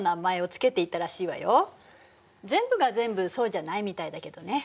全部が全部そうじゃないみたいだけどね。